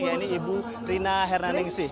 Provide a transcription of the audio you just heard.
ya ini ibu rina hernaningsih